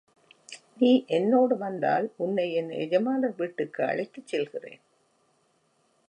நீ என்னோடு வந்தால், உன்னை என் எஜமானர் வீட்டுக்கு அழைத்துச் செல்கிறேன்.